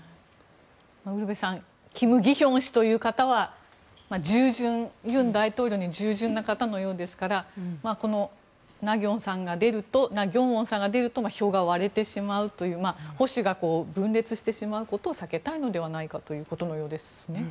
ウルヴェさんキム・ギヒョン氏という方は尹大統領に従順な方のようですからこのナ・ギョンウォンさんが出ると票が割れてしまうという保守が分裂してしまうことを避けたいのではないかということのようですね。